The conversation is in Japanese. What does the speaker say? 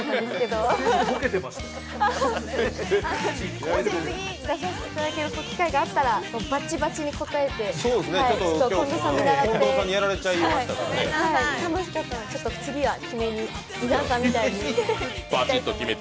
もし次出させていただける機会があったらバチバチに答えて近藤さんを見習って。